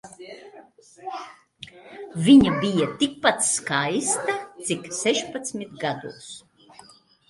Viņa bija tikpat skaista cik sešpadsmit gados.